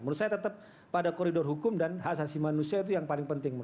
menurut saya tetap pada koridor hukum dan hak asasi manusia itu yang paling penting